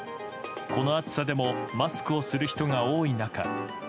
この暑さでもマスクをする人が多い中